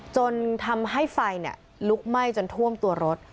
จนทำให้ไฟลุกไหม้จนท่วมตัวรถ